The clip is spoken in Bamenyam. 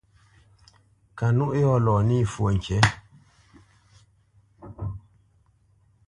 Kanúʼ yɔ̂ lɔ nî fwo ŋkǐ.